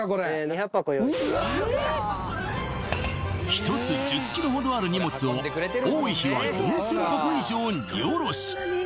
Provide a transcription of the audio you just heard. １つ１０ｋｇほどある荷物を多い日は４０００箱以上荷下ろし